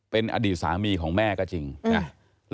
เป็นอดีตสามีของแม่ก็จริงนะ